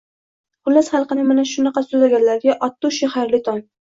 Xullas, xalqani mana shunaqa sudraganlarga, ot dushi xayrli tong!